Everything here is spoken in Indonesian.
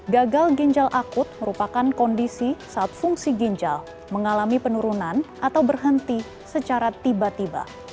gagal ginjal akut merupakan kondisi saat fungsi ginjal mengalami penurunan atau berhenti secara tiba tiba